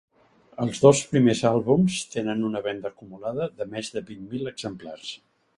Els dos primers àlbums tenen una venda acumulada de més de vint mil exemplars.